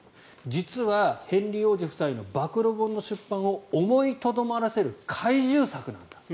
実は、ヘンリー王子夫妻の暴露本の出版を思いとどまらせる懐柔策なんだと。